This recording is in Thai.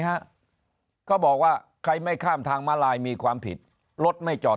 ฮะเขาบอกว่าใครไม่ข้ามทางมาลายมีความผิดรถไม่จอด